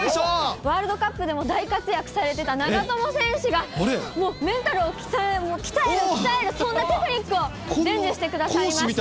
ワールドカップでも大活躍されてた長友選手が、もう、メンタルを鍛える、鍛える、そんなテクニックを伝授してくださいまして。